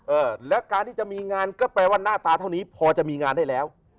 เออแล้วการที่จะมีงานก็แปลว่าหน้าตาเท่านี้พอจะมีงานได้แล้ว